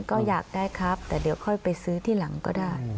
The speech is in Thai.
ก็อยากได้ครับแต่เดี๋ยวค่อยไปซื้อที่หลังก็ได้